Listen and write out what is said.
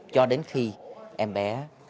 cho đến khi em bé